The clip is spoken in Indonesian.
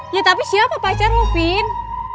ya tapi siapa pacar lo vin